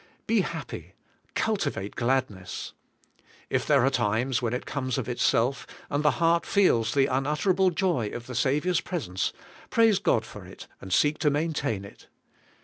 Be happy. Cultivate gladness. If there are times when it comes of itself, and the heart feels the unut terable joy of the Saviour's presence, praise God for it, and seek to maintain it.